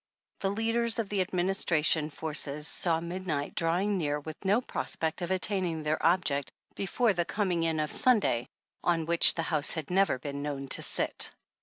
The leaders of the administration forces saw mid ^ night drawing near with no prospect of attaining their object before the coming in of Sunday on which the House had never been known to sit.